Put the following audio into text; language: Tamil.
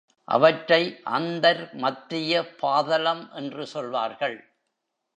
அவற்றை அந்தர் மத்திய பாதலம் என்று சொல்வார்கள்.